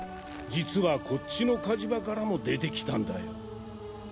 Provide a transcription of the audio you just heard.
実はこっちの火事場からも出てきたんだよ。